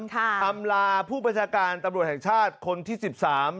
อำลาผู้บัญชาการตำรวจแห่งชาติคนที่สิบสาม